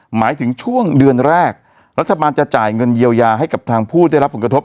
หมายถึงช่วงเดือนแรกรัฐบาลจะจ่ายเงินเยียวยาให้กับทางผู้ได้รับผลกระทบ